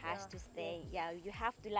pasti harus tetap di sini